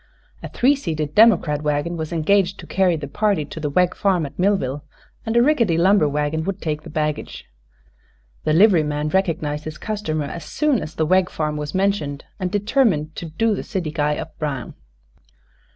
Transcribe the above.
A three seated democrat wagon was engaged to carry the party to the Wegg farm at Millville, and a rickety lumber wagon would take the baggage. The liveryman recognized his customer as soon as the Wegg farm was mentioned, and determined to "do the city guy up brown."